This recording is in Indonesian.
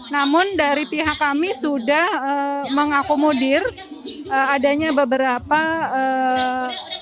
namun dari pihak kami sudah mengakomodir adanya beberapa ee